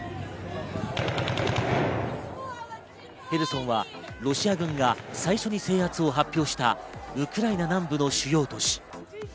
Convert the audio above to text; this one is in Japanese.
ヘルソンはロシア軍が最初に制圧を発表したウクライナ南部の主要都市。